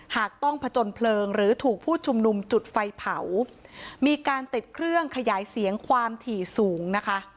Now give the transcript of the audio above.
หากต้องผจญเพลิงหรือถูกผู้ชุมนุมจุดไฟเผามีการติดเครื่องขยายเสียงความถี่สูงนะคะ